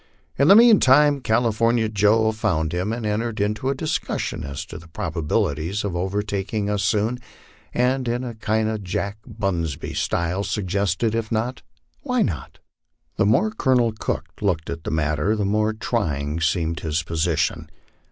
In the mean time California Joe found him, and entered into a discussion as to the probabilities of overtaking us soon, and in a kind of Jack Bunsby style suggested, if not, why not? The more Colonel Cook looked at the matter, the more trying seemed his position.